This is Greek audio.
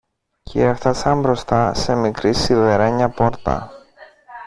κι έφθασαν μπροστά σε μικρή σιδερένια πόρτα.